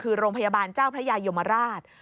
คือโรงพยาบาลเจ้าพระยายมราช